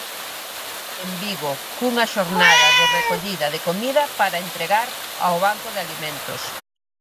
En Vigo, cunha xornada de recollida de comida para entregar ao Banco de Alimentos.